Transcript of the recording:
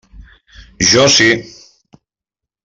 Jo sí.